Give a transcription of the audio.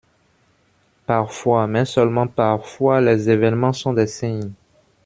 Parfois, mais seulement parfois, les évènements sont des signes.